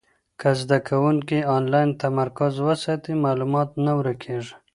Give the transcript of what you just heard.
که زده کوونکی انلاین تمرکز وساتي، معلومات نه ورکېږي.